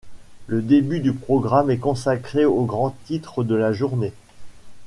Le début du programme est consacré aux grands titres de la journée.